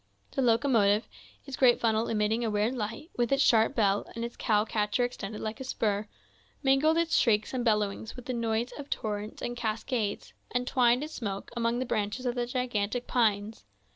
The locomotive, its great funnel emitting a weird light, with its sharp bell, and its cow catcher extended like a spur, mingled its shrieks and bellowings with the noise of torrents and cascades, and twined its smoke among the branches of the gigantic pines.